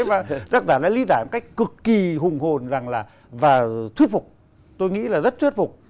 và giác giả đã lý giải một cách cực kỳ hùng hồn và thuyết phục tôi nghĩ là rất thuyết phục